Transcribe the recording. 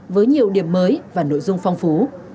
với nhiều điểm mới và nội dung phong phú